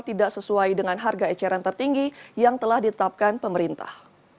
tidak sesuai dengan harga eceran tertinggi yang telah ditetapkan pemerintah